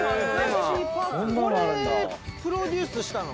これプロデュースしたの？